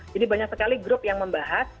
jadi banyak sekali grup yang membahas